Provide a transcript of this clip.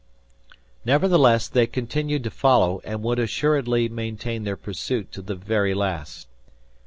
Nevertheless, they continued to follow, and would assuredly maintain their pursuit to the very last.